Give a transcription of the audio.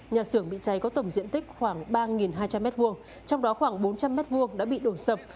nhà xưởng bị cháy có tổng diện tích khoảng ba hai trăm linh m hai trong đó khoảng bốn trăm linh m hai đã bị đổ sập